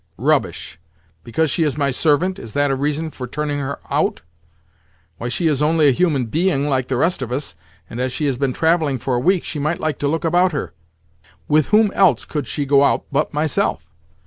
"Rubbish! Because she is my servant, is that a reason for turning her out? Why, she is only a human being like the rest of us; and as she has been travelling for a week she might like to look about her. With whom else could she go out but myself?